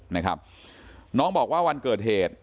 นะครับน้องบอกว่าวันเกิดเหตุ